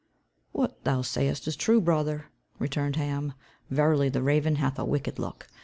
"What thou sayest is true, brother," returned Ham. "Verily the raven hath a wicked look.